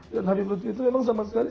dan habib lutfi itu memang sama sekali